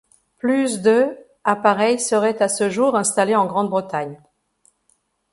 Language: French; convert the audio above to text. Plus de appareils seraient à ce jour installés en Grande-Bretagne.